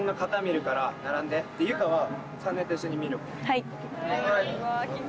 はい。